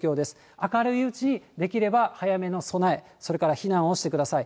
明るいうちにできれば早めの備え、それから避難をしてください。